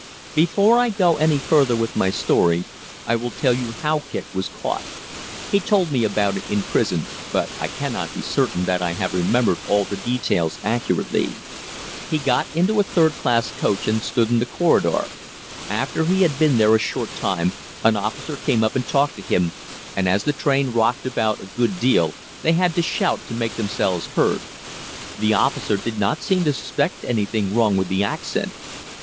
Before I go any farther with my story, I will tell you how Kicq was caught. He told me about it in prison, but I cannot be certain that I have remembered all the details accurately. He got into a third class coach and stood in the corridor. After he had been there a short time an officer came up and talked to him, and as the train rocked about a good deal they had to shout to make themselves heard. The officer did not seem to suspect anything wrong with the accent.